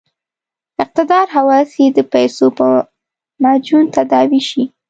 اقتدار هوس یې د پیسو په معجون تداوي شي.